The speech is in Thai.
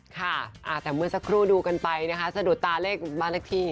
ค่ะแต่เมื่อสักครู่ดูกันไปนะคะสะดุดตาเลขบ้านเลขที่